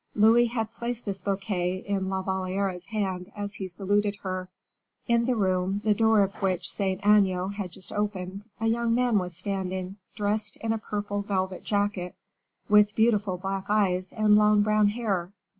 Louis had placed this bouquet in La Valliere's hand as he saluted her. In the room, the door of which Saint Aignan had just opened, a young man was standing, dressed in a purple velvet jacket, with beautiful black eyes and long brown hair.